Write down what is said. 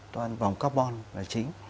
toàn vòng carbon là chính